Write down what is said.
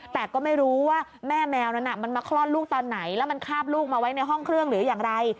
แต่ก็ไม่รู้ว่าแม่แมวนั้นมันมาคลอดลูกตอนไหนแล้วมันคาบลูกมาไว้ในห้องเครื่องหรืออย่างไร